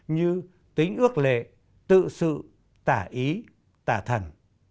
như tính ước lệ tự sự tả ý tả thần